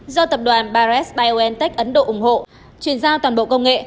do tập đoàn paris biontech ấn độ ủng hộ chuyển giao toàn bộ công nghệ